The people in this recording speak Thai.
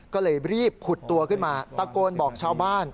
ก็เลยรีบผุดตัวขึ้นมาตะโกนบอกชาวบ้าน